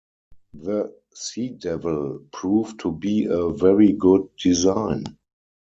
The "Sea Devil" proved to be a very good design.